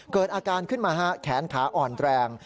เกิดอาการขึ้นมาแขนขาอ่อนแรง